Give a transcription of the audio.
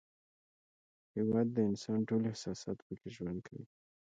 هېواد د انسان ټول احساسات پکې ژوند کوي.